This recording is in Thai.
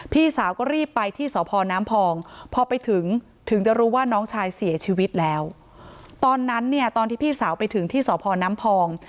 พี่สาวก็รีบไปที่สพน้ำพองพอไปถึงถึงจะรู้ว่าน้องชายเสียชีวิตแล้วตอนนั้นเนี่ยตอนที่พี่สาวไปถึงที่สพน้ำพอง